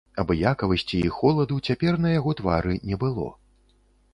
Абыякавасці і холаду цяпер на яго твары не было.